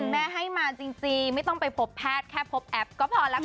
แม่ให้มาจริงไม่ต้องไปพบแพทย์แค่พบแอปก็พอแล้วค่ะ